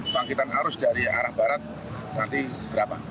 bangkitan arus dari arah barat nanti berapa